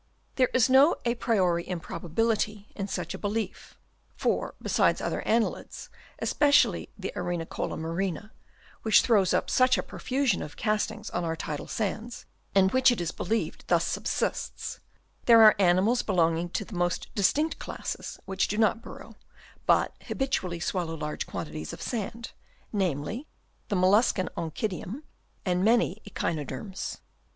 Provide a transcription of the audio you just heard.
There is no a priori improbability in such a belief, for besides other annelids, especially the Arenicola marina, which throws up such a profusion of castings on our tidal sands, and which it is believed thus subsists, there are animals belonging to the most distinct classes, which do not burrow, but habitually swallow large quantities of sand ; namely, the mollus can Onchidium and many Echinoderms.